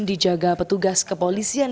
dijaga petugas kepolisian